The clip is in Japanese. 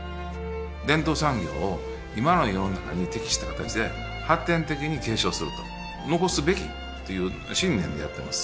伝統産業を今の世の中に適した形で発展的に継承すると残すべきという信念でやってます